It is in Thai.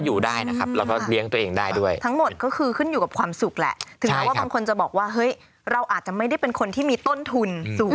ถึงวางใครจะบอกว่าเราอาจไม่ได้เป็นคุณที่มีต้นทุน